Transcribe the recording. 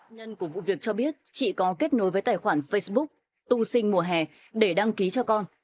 nhân của vụ việc cho biết chị có kết nối với tài khoản facebook tu sinh mùa hè để đăng ký cho con